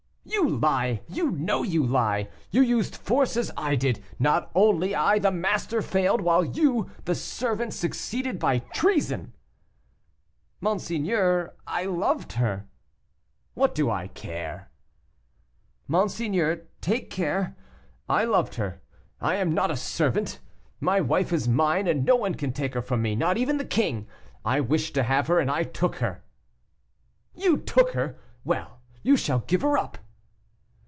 "You lie! you know you lie! You used force as I did; only I, the master, failed, while you, the servant, succeeded by treason." "Monseigneur, I loved her." "What do I care?" "Monseigneur, take care. I loved her, and I am not a servant. My wife is mine, and no one can take her from me, not even the king. I wished to have her, and I took her." "You took her! Well! you shall give her up."